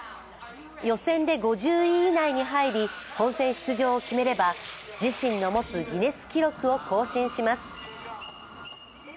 予選で５０位以内に入り本戦出場を決めれば自身の持つギネス記録を更新します。